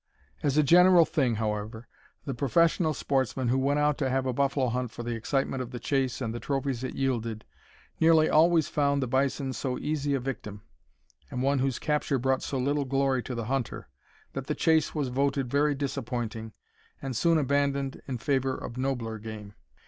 As a general thing, however, the professional sportsmen who went out to have a buffalo hunt for the excitement of the chase and the trophies it yielded, nearly always found the bison so easy a victim, and one whose capture brought so little glory to the hunter, that the chase was voted very disappointing, and soon abandoned in favor of nobler game.